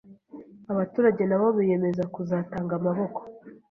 abaturage na bo biyemeza kuzatanga amaboko